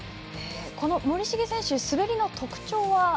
この森重選手、滑りの特徴は？